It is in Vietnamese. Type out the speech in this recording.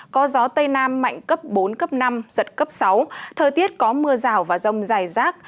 có gió tây nam mạnh cấp bốn cấp năm giật cấp sáu thời tiết có mưa rào và rông dài rác